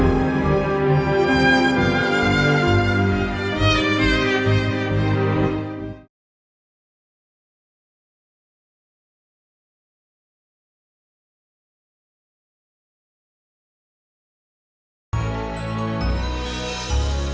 aku akan menjaga kain hajam